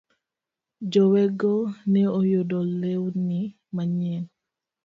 Jowergo ne oyudo lewni manyien.